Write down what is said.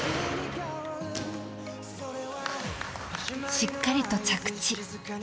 しっかりと着地。